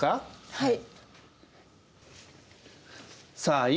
はい。